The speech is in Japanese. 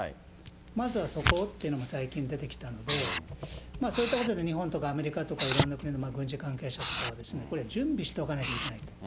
まずはそこをっていうのも最近、出てきたので、そういったことで日本とかアメリカとか、いろんな国、軍事関係者とかは、これ、準備しとかなきゃいけないと。